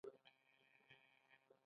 آیا شاهنامه د دوی ملي حماسه نه ده؟